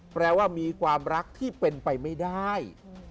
แปลว่ามีความรักที่เป็นไปไม่ได้